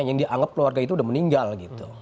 yang dianggap keluarga itu udah meninggal gitu